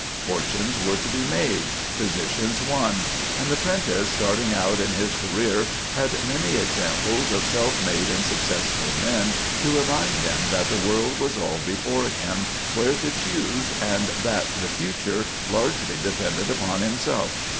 Fortunes were to be made, positions won; and the 'prentice, starting out in his career, had many examples of self made and successful men to remind him that the world was all before him where to choose, and that the future largely depended upon himself.